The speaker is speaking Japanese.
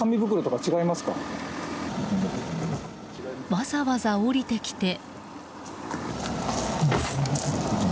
わざわざ降りてきて。